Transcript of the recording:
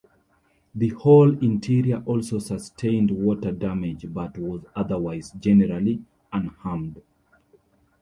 The hall interior also sustained water damage, but was otherwise generally unharmed.